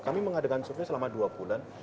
kami mengadakan survei selama dua bulan